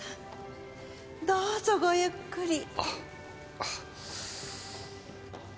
どうぞごゆっくり。